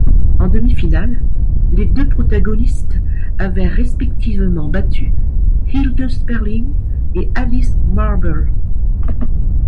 En demi-finale, les deux protagonistes avaient respectivement battu Hilde Sperling et Alice Marble.